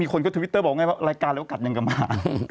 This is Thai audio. หนุ่มอยากลำวันนี้